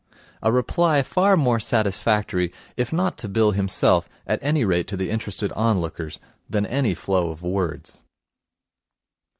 A reply far more satisfactory, if not to Bill himself, at any rate to the interested onlookers, than any flow of words.